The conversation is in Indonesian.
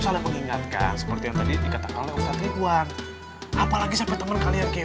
saling mengingatkan seperti yang tadi dikatakan oleh ustadz ridwan apalagi sampai temen kalian kayak